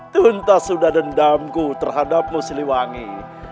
tuntas sudah dendamku terhadapmu siliwangi